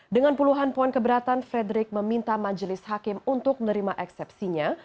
dengan puluhan poin keberatan frederick meminta majelis hakim untuk menerima eksepsinya